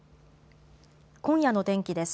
今夜の天気です。